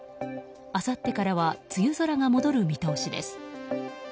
あさってからは梅雨空が戻る見通しです。